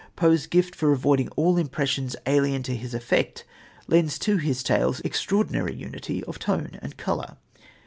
Poe's gift for avoiding all impressions alien to his effect lends to his tales extraordinary unity of tone and colour.